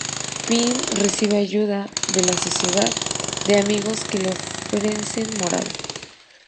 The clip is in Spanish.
Penn recibe ayuda de la Sociedad de Amigos, que le ofrecen morada.